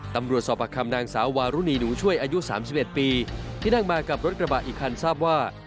ตำรวจสอบประคำนางสาววารุณีหนูช่วยอายุ๓๑ปีที่นั่งมากับรถกระบะอีกคันทราบว่า